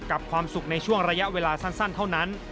ความสุขในช่วงระยะเวลาสั้นเท่านั้น